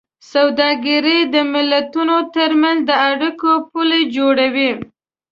سوداګري د ملتونو ترمنځ د اړیکو پُل جوړوي.